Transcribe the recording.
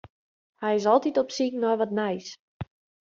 Hy is altyd op syk nei wat nijs.